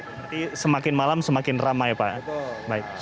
berarti semakin malam semakin ramai pak